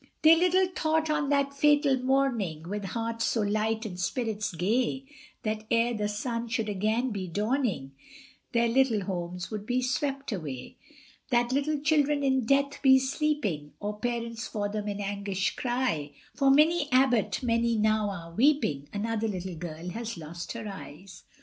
They little thought on the fatal morning, With hearts so light and spirits gay That ere the sun should again be dawning, Their little homes would be swept away; That little children in death be sleeping, Or parents for them in anguish cry, For Minnie Abbot many now are weeping, Another little girl has lost her eyes.